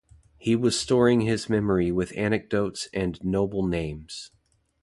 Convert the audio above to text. He was storing his memory with anecdotes and noble names.